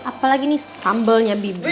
apalagi nih sambelnya bibi